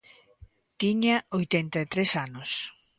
Tiña oitenta e tres anos.